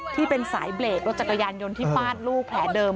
ที่เป็นสายเบรกรถจักรยานยนต์ที่ฟาดลูกแผลเดิม